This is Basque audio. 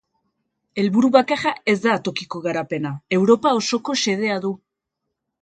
Helburu bakarra ez da tokiko garapena, Europa osoko xedea du.